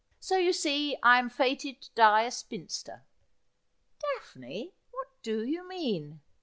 So you see I am fated to die a spinster.' ' Daphne, what do you mean